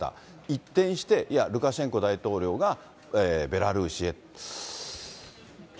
一転して、いや、ルカシェンコ大統領がベラルーシへって。